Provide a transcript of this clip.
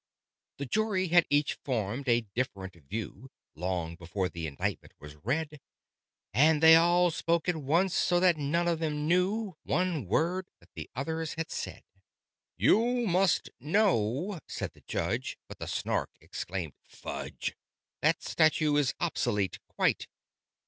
The Jury had each formed a different view (Long before the indictment was read), And they all spoke at once, so that none of them knew One word that the others had said. "You must know " said the Judge: but the Snark exclaimed "Fudge!" That statute is obsolete quite!